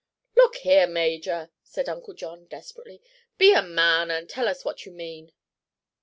"Look here, Major," said Uncle John desperately, "be a man, and tell us what you mean."